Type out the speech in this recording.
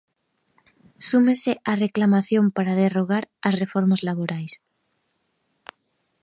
Súmese á reclamación para derrogar as reformas laborais.